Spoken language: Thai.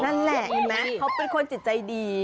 นั่นแหละเห็นไหมเขาเป็นคนจิตใจดี